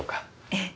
ええ。